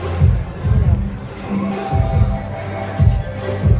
สโลแมคริปราบาล